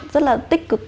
rất là tích cực